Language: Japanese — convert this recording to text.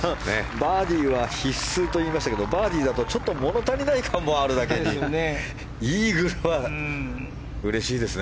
バーディーは必須といいましたがバーディーだとちょっと物足りない感もあるだけにイーグルはうれしいですね。